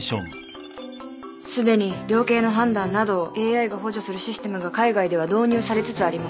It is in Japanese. すでに量刑の判断などをＡＩが補助するシステムが海外では導入されつつあります。